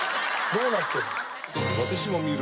どうなってる。